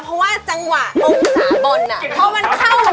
เพราะว่าจังหวะองค์สามบ้มน่ะ